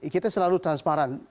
kita selalu transparan